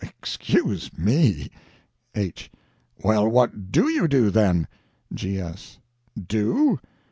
Excuse me! H. Well, what DO you do, then? G.S. Do?